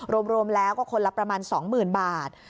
รวมแล้วก็คนละประมาณ๒๐๐๐บาท